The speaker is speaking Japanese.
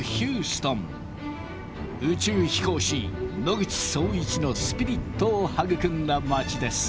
宇宙飛行士野口聡一のスピリットを育んだ街です。